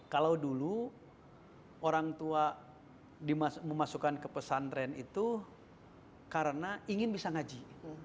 kalau dulu orang tua memasukkan ke pesantren itu karena ingin bisa ngaji